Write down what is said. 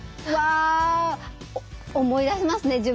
わあ思い出しますね